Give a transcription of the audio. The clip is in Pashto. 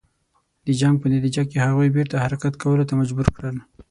د جنګ په نتیجه کې هغوی بیرته حرکت کولو ته مجبور کړل.